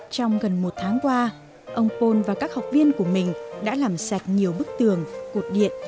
trong gần một tháng qua ông pol và các học viên của mình đã làm sạch nhiều bức tường cột điện